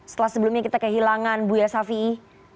setelah sebelumnya kita kehilangan buya shafi'i